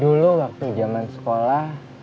dulu waktu jaman sekolah